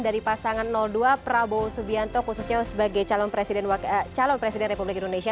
dari pasangan dua prabowo subianto khususnya sebagai calon presiden republik indonesia